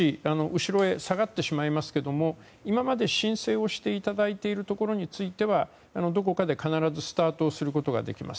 後ろへ下がってしまいますけども今まで申請をしていただいているところについてはどこかで必ずスタートすることができます。